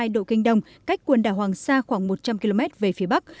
một trăm một mươi hai độ kinh đông cách quần đảo hoàng sa khoảng một trăm linh km về phía bắc